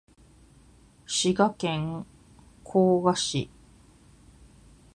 滋賀県甲賀市